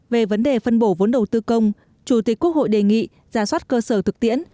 về vấn đề phân bổ vốn đầu tư công chủ tịch quốc hội đề nghị giả soát cơ sở thực tiễn